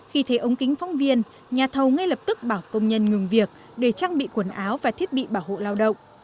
khi thấy ống kính phóng viên nhà thầu ngay lập tức bảo công nhân ngừng việc để trang bị quần áo và thiết bị bảo hộ lao động